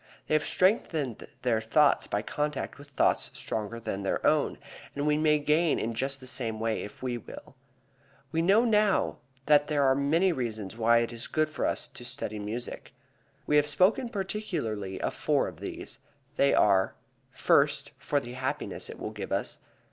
They have strengthened their thoughts by contact with thoughts stronger than their own, and we may gain in just the same way if we will. We know now that there are many reasons why it is good for us to study music. We have spoken particularly of four of these. They are: First, for the happiness it will give us.